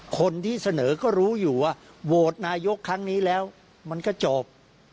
คนที่เสนอก็รู้อยู่ว่าโหวตนายกครั้งนี้แล้วมันก็จบ